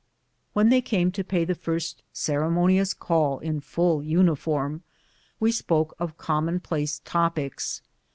When they came to pay the first ceremonious call in full uni form, we spoke of commonplace topics.